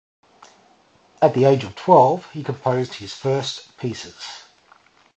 At the age of twelve he composed his first pieces.